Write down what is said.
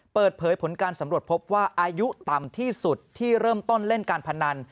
เปิดเผยผลการสำรวจพบว่าอายุต่ำที่สุดที่เริ่มต้นเล่นการพนัน